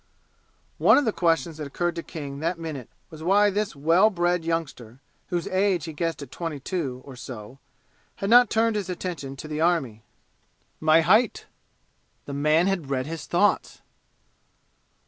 One of the questions that occurred to King that minute was why this well bred youngster whose age he guessed at twenty two or so had not turned his attention to the army. "My height!" The man had read his thoughts!